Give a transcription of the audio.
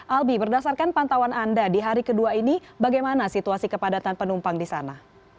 albi berdasarkan pantauan anda di hari kedua ini bagaimana situasi kepadatan penumpang di sana